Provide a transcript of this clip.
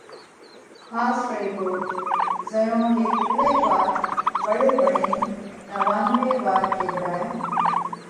ۿاس رئِي ڳوت: زئيون هيڪ ڪُوڙئِي وات وۯي وۯينَ نوانوي وار ڪيوَرائہ